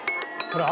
これ。